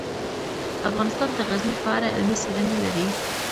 افغانستان د غزني په اړه علمي څېړنې لري.